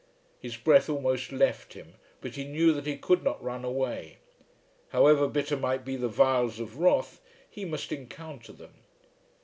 His breath almost left him, but he knew that he could not run away. However bitter might be the vials of wrath he must encounter them.